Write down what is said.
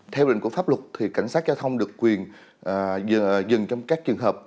theo quy định của pháp luật thì cảnh sát giao thông được quyền dừng trong các trường hợp